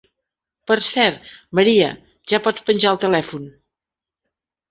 Per cert, Maria, ja pots penjar el telèfon.